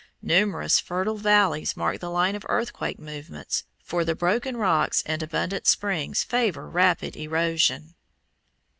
Numerous fertile valleys mark the line of earthquake movements, for the broken rocks and abundant springs favor rapid erosion.